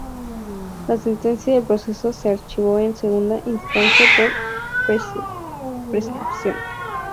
La sentencia y el proceso se archivó en segunda instancia por prescripción.